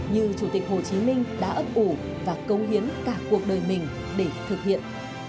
như chủ tịch hồ chí minh đã ấp ủ và công hiến cả cuộc đời mình để thực hiện